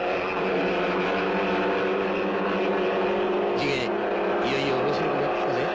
次元いよいよ面白くなって来たぜ。